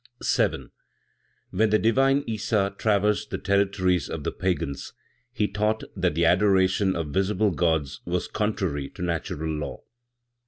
7. When the divine Issa traversed the territories of the Pagans, he taught that the adoration of visible gods was contrary to natural law.